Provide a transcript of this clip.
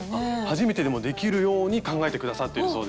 初めてでもできるように考えて下さってるそうですよ。